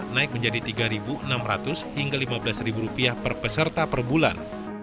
naik menjadi rp tiga enam ratus hingga rp lima belas per peserta per bulan